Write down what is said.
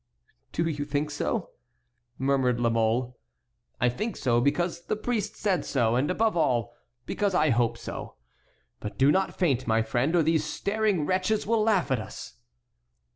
"Do you think so?" murmured La Mole. "I think so, because the priest said so; and above all, because I hope so. But do not faint, my friend, or these staring wretches will laugh at us."